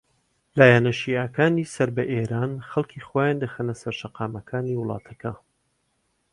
لایەنە شیعەکانی سەر بە ئێران خەڵکی خۆیان دەخەنە سەر شەقامەکانی وڵاتەکە